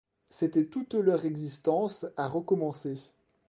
C'était toute leur existence à recommencer.